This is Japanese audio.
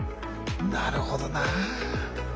なるほどな。